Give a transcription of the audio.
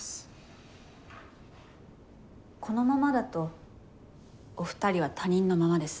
このままだとお二人は他人のままです。